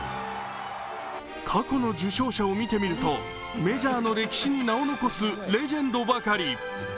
過去の受賞者を見てみるとメジャーの歴史に名を残すレジェンドばかり。